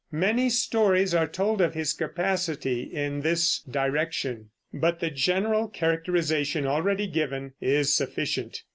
Many stories are told of his capacity in this direction, but the general characterization already given is sufficient.